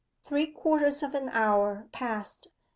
Three quarters of an hour passed.